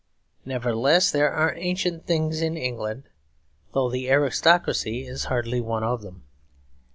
Nevertheless, there are ancient things in England, though the aristocracy is hardly one of them.